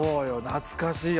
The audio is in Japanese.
懐かしい。